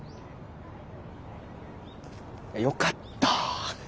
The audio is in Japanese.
よかった。